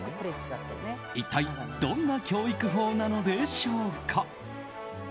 一体どんな教育法なのでしょうか。